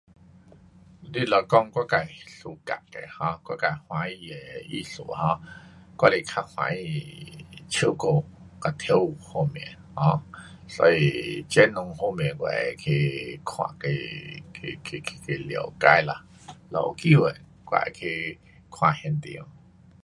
你若讲我自喜欢的 um 我自喜欢的艺术 um 我是较欢喜唱歌跟跳舞方面 um 所以这两方面我会去看，去，去，去，去去了解啦。若有机会我会去看那条。